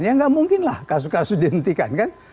ya nggak mungkin lah kasus kasus dihentikan kan